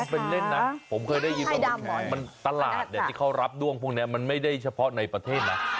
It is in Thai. เป็นเล่นนะผมเคยได้ยินว่าตลาดที่เขารับด้วงพวกนี้มันไม่ได้เฉพาะในประเทศนะ